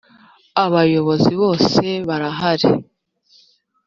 abayobozi bose barahari.